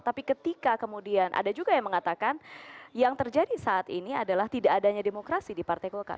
tapi ketika kemudian ada juga yang mengatakan yang terjadi saat ini adalah tidak adanya demokrasi di partai golkar